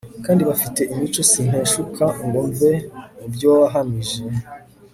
kandi bafite imicosinteshukangomve mubyowahamije